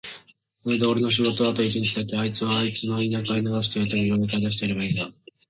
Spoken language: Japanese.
それでおれの仕事はあと一日だけ、あいつをあいつの田舎へ逃してやるために牢屋から出してやればいいのだ。